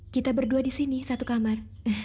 kita berdua disini satu kamar